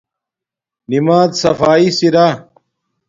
نماز صفایس ارا